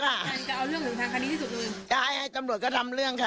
ก็เอาเรื่องของทางคณิตที่สุดนึงใช่จำโดยก็ทำเรื่องค่ะ